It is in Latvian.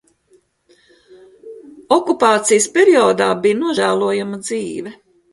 Okupācijas periodā bija nožēlojama dzīve.